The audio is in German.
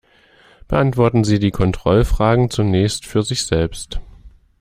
Beantworten Sie die Kontrollfragen zunächst für sich selbst.